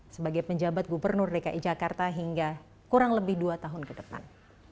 sebagai penjabat gubernur dki jakarta hingga kurang lebih dua tahun ke depan